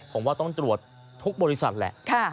ผมว่าต้องตรวจทุกบริษัทแหละ